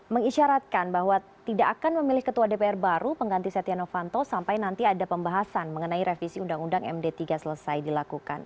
mengisyaratkan bahwa tidak akan memilih ketua dpr baru pengganti setia novanto sampai nanti ada pembahasan mengenai revisi undang undang md tiga selesai dilakukan